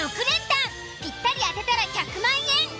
６連単ぴったり当てたら１００万円。